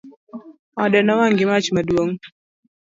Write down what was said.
Ode nowang' gi mach maduong'